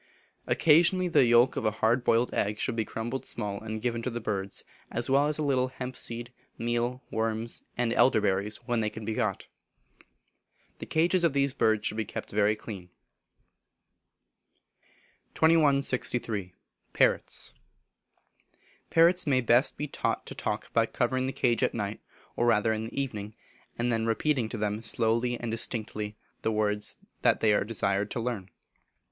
Occasionally the yolk of a hard boiled egg should be crumbled small and given to the birds, as well as a little hemp seed, meal, worms, and elder berries when they can be got. The cages of these birds should be kept very clean. 2163. Parrots. Parrots may best be taught to talk by covering the cage at night, or rather in the evening, and then repeating to them slowly and distinctly, the words they are desired to learn.